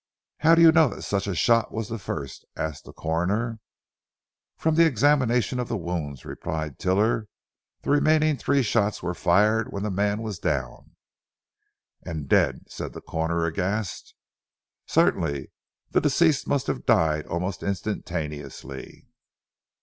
"How do you know that such a shot was the first?" asked the Coroner. "From an examination of the wounds," replied Tiler, "the remaining three shots were fired when the man was down. "And dead!" said the Coroner aghast. "Certainly. The deceased must have died almost instantaneously."